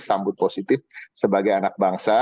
sambut positif sebagai anak bangsa